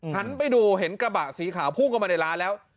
หันไปดูเห็นกระบะสีขาวพุ่งเข้ามาในร้านแล้ว